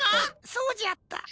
そうじゃった。